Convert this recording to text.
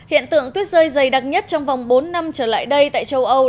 hiện tượng tuyết rơi dày đặc nhất trong vòng bốn năm trở lại đây tại châu âu